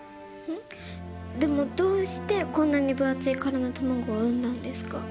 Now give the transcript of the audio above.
でもどうしてこんなに分厚い殻の卵を産んだんですか？